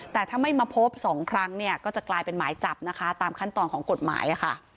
แต่ถ้าไม่มาพบสองครั้งเนี่ยก็จะกลายเป็นหมายจับนะคะตามขั้นตอนของกฎหมายค่ะ